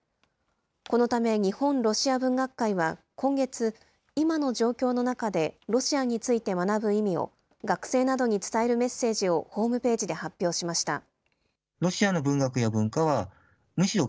このため、日本ロシア文学会は今月、今の状況の中でロシアについて学ぶ意味を、学生などに伝えるメッセージをホームページで発表しました。